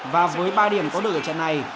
và với ba điểm có được ở trận này